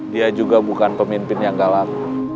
dia juga bukan pemimpin yang dalam